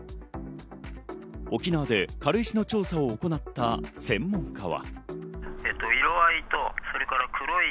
沖縄で軽石の調査を行った専門家は。